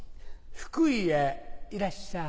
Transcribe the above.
福井へいらっしゃい。